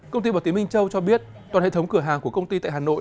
công ty bảo tín minh châu cho biết toàn hệ thống cửa hàng của công ty tại hà nội